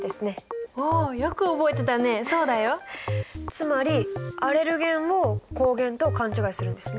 つまりアレルゲンを抗原と勘違いするんですね？